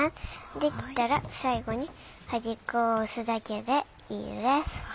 できたら最後に端っこを押すだけでいいです。